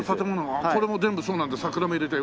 これも全部そうなんだ桜も入れて。